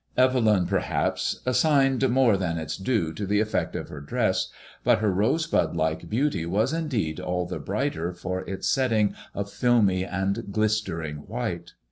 Evelyn perhaps assigned more than its due to the effect of her dress, but her rosebud like beauty was indeed all the brighter for its setting of filmy and glis tering white.